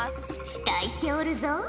期待しておるぞ。